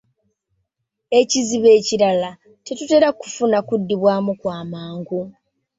Ekizibu ekirala, tetutera kufuna kuddibwamu kwa mangu.